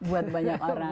buat banyak orang